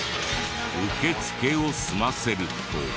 受け付けを済ませると。